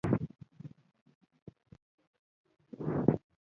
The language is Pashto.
ستن پاڼې لرونکې ونې تل شنې وي